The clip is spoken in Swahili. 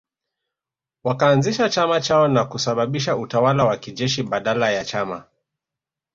Wakaanzisha chama chao na kusababisha utawala wa kijeshi badala ya chama